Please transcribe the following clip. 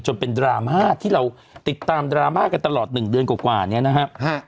จนเป็นดราม่าที่เราติดตามดราม่ากันตลอด๑เดือนกว่าเนี่ยนะฮะ